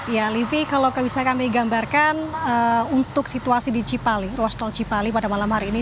ya livi kalau bisa kami gambarkan untuk situasi di cipali ruas tol cipali pada malam hari ini